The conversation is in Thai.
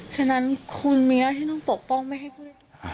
ฉะนั้นคุณมีหน้าที่ต้องปกป้องไม่ให้ผู้เล่น